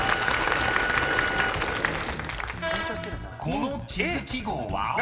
［この地図記号は？］